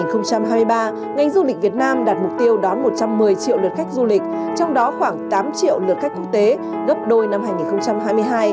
năm hai nghìn hai mươi ba ngành du lịch việt nam đạt mục tiêu đón một trăm một mươi triệu lượt khách du lịch trong đó khoảng tám triệu lượt khách quốc tế gấp đôi năm hai nghìn hai mươi hai